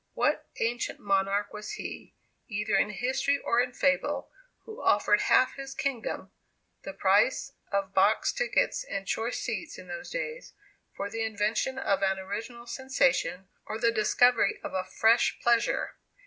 What ancient monarch was he, either in history or in fable, who offered half his kingdom (the price of box tickets and choice seats in those days) for the invention of an original sensation, or the discovery of a fresh pleasure?